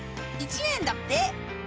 １年だって！